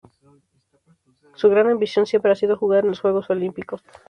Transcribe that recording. Su gran ambición siempre ha sido jugar en los Juegos Olímpicos.